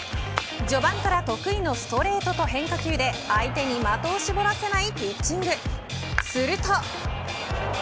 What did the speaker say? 序盤から得意のストレートと変化球で相手に的を絞らせないピッチングすると。